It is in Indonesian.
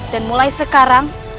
dan mulai sekarang